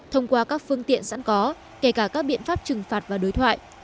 thông qua các phương tiện sẵn có kể cả các biện pháp trừng phạt và đối thoại